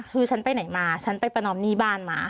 คือฉันไปไหนมาฉันไปประนอมหนี้บ้านมา